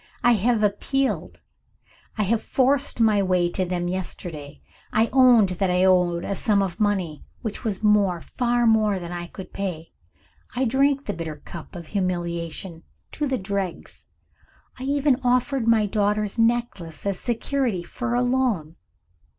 I have appealed! I forced my way to them yesterday I owned that I owed a sum of money which was more, far more, than I could pay. I drank the bitter cup of humiliation to the dregs I even offered my daughter's necklace as security for a loan.